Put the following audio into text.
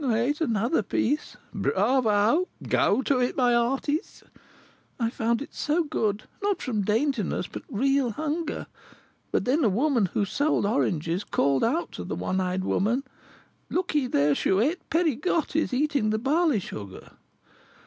"I ate another piece " "Bravo! go it, my hearties!" "I found it so good, not from daintiness, but real hunger. But then a woman, who sold oranges, cried out to the one eyed woman, 'Look ye there, Chouette; Pegriotte is eating the barley sugar!'"